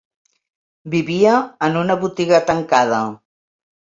Vivia en una botiga tancada